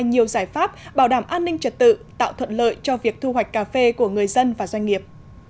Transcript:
nhiều giải pháp bảo đảm an ninh trật tự tạo thuận lợi cho việc thu hoạch cà phê của người dân và doanh nghiệp